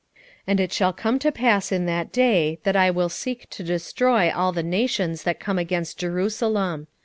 12:9 And it shall come to pass in that day, that I will seek to destroy all the nations that come against Jerusalem.